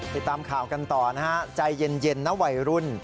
ติดตามข่าวกันต่อนะฮะใจเย็นนะวัยรุ่น